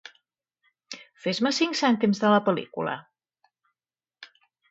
Fes-me cinc cèntims de la pel·lícula.